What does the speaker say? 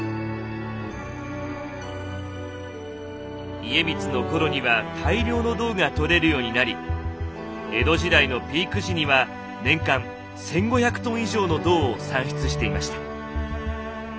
家光の頃には大量の銅が採れるようになり江戸時代のピーク時には年間１，５００ｔ以上の銅を産出していました。